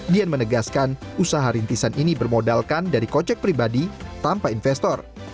dian menegaskan usaha rintisan ini bermodalkan dari kocek pribadi tanpa investor